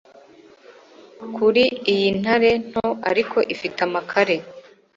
Kuri iyintare nto ariko ifite amakare